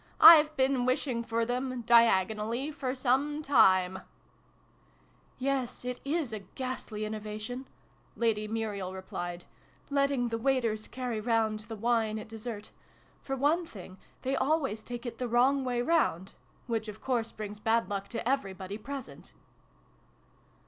" I've been wishing for them diagonally for some time !"" Yes, it is a ghastly innovation," Lady Muriel replied, " letting the waiters carry round the wine at dessert. For one thing, they always take it the wrong way round which of course brings bad luck to everybody present